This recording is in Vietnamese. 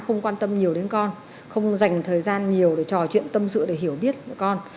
không quan tâm nhiều đến con không dành thời gian nhiều để trò chuyện tâm sự để hiểu biết của con